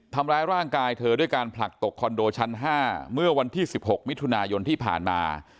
ทำร้ายร่างกายเธอด้วยการผลักตกคอนโดชั้น๕เมื่อวันที่๑๖มิถุนายนที่ผ่านมา